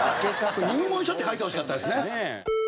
入門書って書いてほしかったですね。